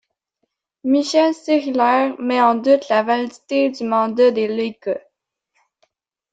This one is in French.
Michel Cérulaire met en doute la validité du mandat des légats.